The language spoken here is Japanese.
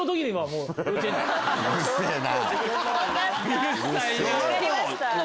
うるさいな！